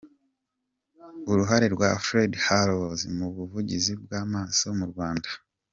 Uruhare rwa Fred Hollows mu buvuzi bw’amaso mu Rwanda.